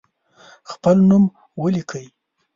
خپل نوم ولیکئ.